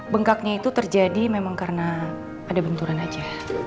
bengkaknya itu terjadi memang karena ada benturan aja